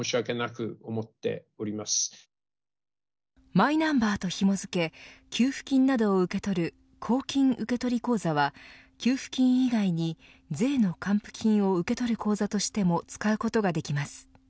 マイナンバーとひも付け給付金などを受け取る公金受取口座は給付金以外に税の還付金を受け取る口座としても使うことができます。